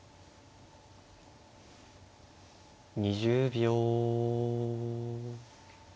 ２０秒。